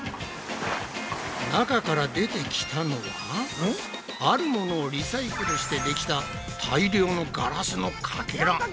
中から出てきたのは「あるもの」をリサイクルしてできた大量のガラスのかけら。